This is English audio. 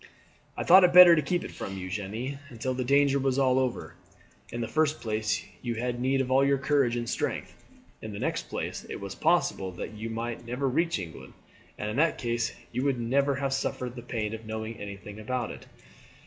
"I thought it better to keep it from you, Jeanne, until the danger was all over. In the first place you had need of all your courage and strength; in the next place it was possible that you might never reach England, and in that case you would never have suffered the pain of knowing anything about it."